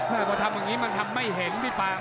น่าจะทำแบบนี้มันทำไม่เห็นพี่ปาง